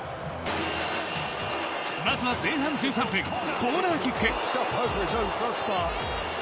まずは前半１３分コーナーキック。